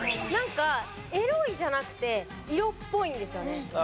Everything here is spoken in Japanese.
なんかエロいじゃなくて色っぽいんですよね。